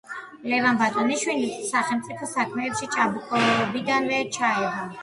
ლევან ბატონიშვილი სახელმწიფო საქმეებში ჭაბუკობიდანვე ჩაება.